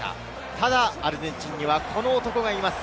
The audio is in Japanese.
ただアルゼンチンには、この男がいます。